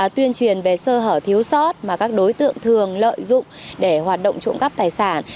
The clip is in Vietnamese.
tuyên truyền về sơ hở thiếu sót mà các đối tượng thường lợi dụng để hoạt động trộm cắp tài sản